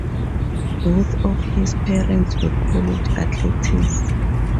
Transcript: Both of his parents were college athletes.